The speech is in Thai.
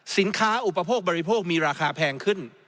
อุปโภคบริโภคมีราคาแพงขึ้น